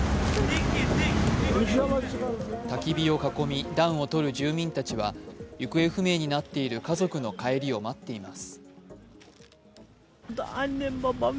たき火を囲み暖をとる住民たちは行方不明になっている家族の帰りを待っています。